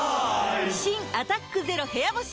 新「アタックＺＥＲＯ部屋干し」